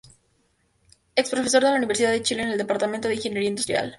Ex-profesor de la Universidad de Chile en el Departamento de Ingeniería Industrial.